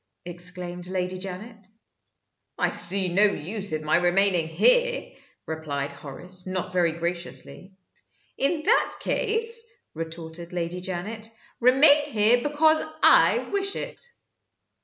exclaimed Lady Janet. "I see no use in my remaining here," replied Horace, not very graciously. "In that case," retorted Lady Janet, "remain here because I wish it."